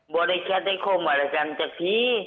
ว่าได้อนุญาตลอดสินค้าหลวงพ่อ